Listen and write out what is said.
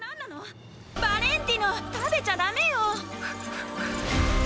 バレンティノ、食べちゃだめよ。